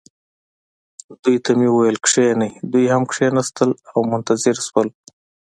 دوی ته مې وویل: کښینئ. دوی هم کښېنستل او منتظر شول.